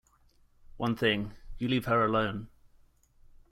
One thing: you leave her alone.